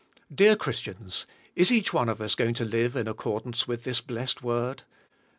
Dear Christians, is each one of us going to live in accordance with this blessed word ?